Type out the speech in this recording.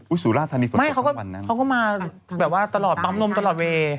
อุ๊ยสุราธานีฝรกฎภัณฑ์นั้นหรอไม่เขาก็มาแบบว่าตลอดปั๊มนมตลอดเว